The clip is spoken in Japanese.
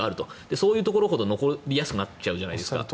そういうところほど残りやすくなるじゃないですか。